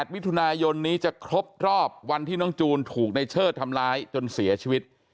มิถุนายนนี้จะครบรอบวันที่น้องจูนถูกในเชิดทำร้ายจนเสียชีวิต